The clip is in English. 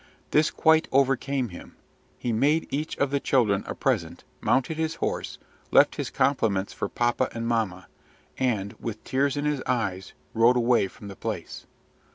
This quite overcame him. He made each of the children a present, mounted his horse, left his compliments for papa and mamma, and, with tears in his eyes, rode away from the place.